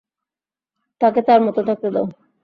তাকে তার মত থাকতে দাও।